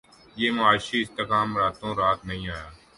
یہ معاشی استحکام راتوں رات نہیں آیا